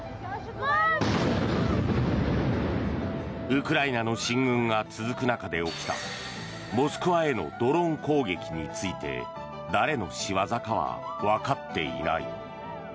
ウクライナの進軍が続く中で起きたモスクワへのドローン攻撃について誰の仕業かはわかっていない。